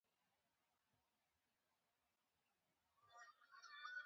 معیاري دی او سره دی